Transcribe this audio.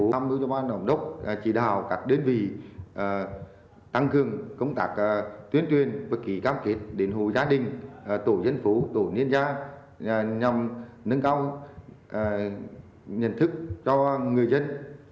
các đơn vị đã chủ động tham mưu bán giám đốc chỉ đạo các đơn vị tăng cường công tác tuyên truyền bất kỳ cam kết đến hồ gia đình tổ dân phố tổ nhân gia nhằm nâng cao nhận thức cho người dân